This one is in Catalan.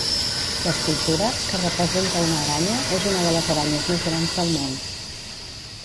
L’escultura, que representa una aranya, és una de les aranyes més grans del món.